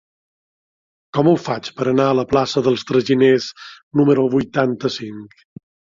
Com ho faig per anar a la plaça dels Traginers número vuitanta-cinc?